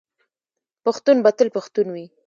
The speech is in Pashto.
پښتون به تل پښتون وي.